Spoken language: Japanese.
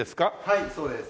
はいそうです。